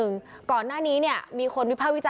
ทั้งหมดนี้คือลูกศิษย์ของพ่อปู่เรศรีนะคะ